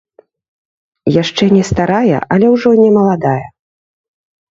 Яшчэ не старая, але ўжо не маладая.